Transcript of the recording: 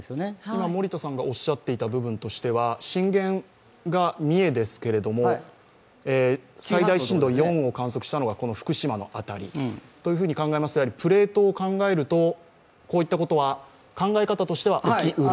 今森田さんがおっしゃっていた部分というのは震源が三重ですけれども、最大震度４を観測したのが福島の辺り、プレートを考えると、こういったことは考え方としてはできうる。